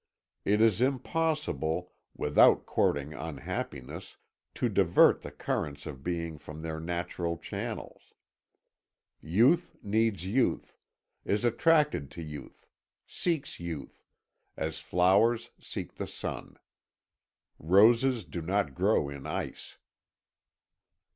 It is impossible, without courting unhappiness, to divert the currents of being from their natural channels: youth needs youth, is attracted to youth, seeks youth, as flowers seek the sun. Roses do not grow in ice.